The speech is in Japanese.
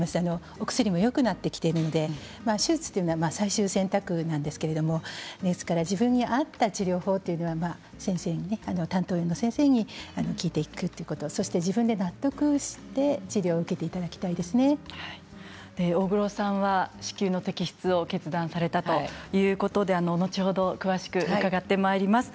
お薬もよくなってきていますので手術というのは最終選択なんですけれど自分に合った治療法というのは担当医の先生に聞いていくということ自分で納得をして治療を大黒さんは子宮の摘出を決断されたということで後ほど詳しく伺ってまいります。